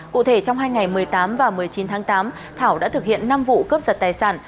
cụ thể trong hai ngày một mươi tám và một mươi chín tháng tám thảo đã thực hiện năm vụ cướp giật tài sản